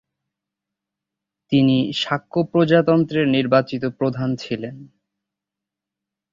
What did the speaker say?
তিনি শাক্য প্রজাতন্ত্রের নির্বাচিত প্রধান ছিলেন।